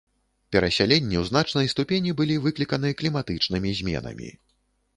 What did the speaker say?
Перасяленні ў значнай ступені былі выкліканы кліматычнымі зменамі.